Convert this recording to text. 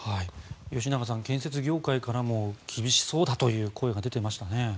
吉永さん建設業界からも厳しそうだという声が出てましたね。